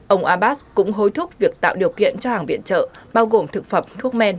ông abbas cũng hối thúc việc tạo điều kiện cho hàng viện trợ bao gồm thực phẩm thuốc men